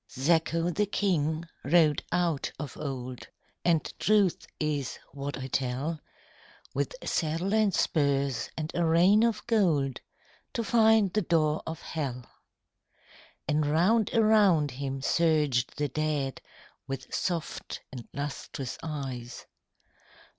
Zacho the King rode out of old (And truth is what I tell) With saddle and spurs and a rein of gold To find the door of Hell. And round around him surged the dead With soft and lustrous eyes.